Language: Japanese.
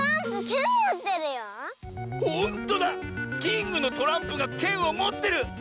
キングのトランプがけんをもってる！